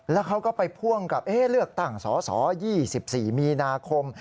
แล้วเขาก็ไปพ่วงกับเลือกตั้งสส๒๔มีนาคม